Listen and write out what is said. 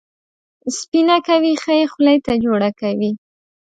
سپینه کوي، ښه یې خولې ته جوړه کوي.